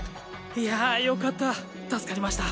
いやぁよかった助かりました。